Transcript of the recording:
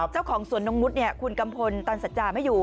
เจ้าของสวนนมนุษย์เนี่ยคุณกัมพลตอนศาสตราไม่อยู่